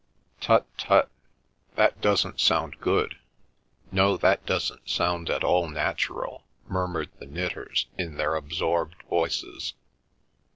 "Tut, tut, that doesn't sound good—no, that doesn't sound at all natural," murmured the knitters in their absorbed voices.